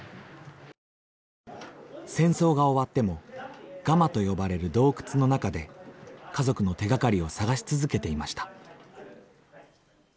戦争が終わってもガマと呼ばれる洞窟の中で家族の手がかりを探し続けていました。